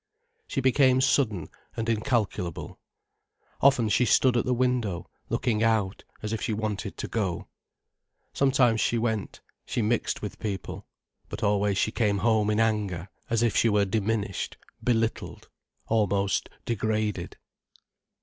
She became sudden and incalculable. Often she stood at the window, looking out, as if she wanted to go. Sometimes she went, she mixed with people. But always she came home in anger, as if she were diminished, belittled, almost degraded.